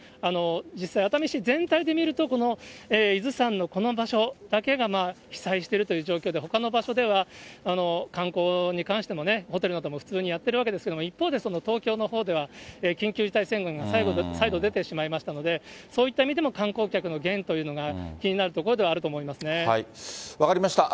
実際、熱海市全体で見ると、この伊豆山のこの場所だけが被災しているという状況で、ほかの場所では、観光に関しても、ホテルなども普通にやってるわけですけれども、一方で、その東京のほうでは緊急事態宣言が再度、出てしまいましたので、そういった意味でも観光客の減というのが、気になるところではあ分かりました。